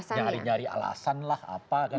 nyari nyari alasan lah apa